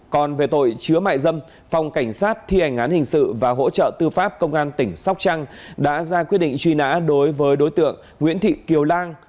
còn về tội chứa mại dâm phòng cảnh sát thi hành án hình sự và hỗ trợ tư pháp công an tỉnh sóc trăng đã ra quyết định truy nã đối với đối tượng nguyễn thị kiều lan